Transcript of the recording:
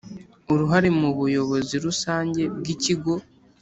Uruhare mu buyobozi rusange bw ikigo